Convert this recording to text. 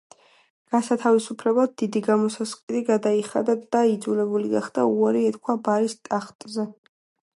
გასათავისუფლებლად დიდი გამოსასყიდი გადაიხადა და იძულებული გახდა უარი ეთქვა ბარის ტახტზე.